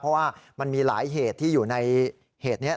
เพราะว่ามันมีหลายเหตุที่อยู่ในเหตุนี้